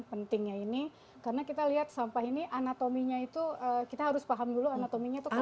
pentingnya ini karena kita lihat sampah ini anatominya itu kita harus paham dulu anatominya itu kan